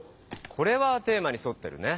これはテーマにそってるね。